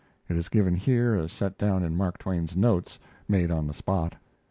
It is given here as set down in Mark Twain's notes, made on the spot.